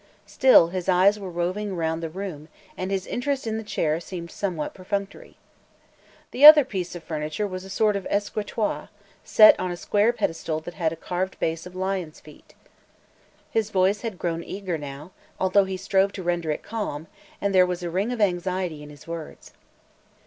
Still his eyes were roving around the room, and his interest in the chair seemed somewhat perfunctory. "The other piece of furniture was a sort of escritoire, set on a square pedestal that had a carved base of lions' feet." His voice had grown eager now, although he strove to render it calm, and there was a ring of anxiety in his words.